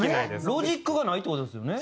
ロジックがないって事ですよね。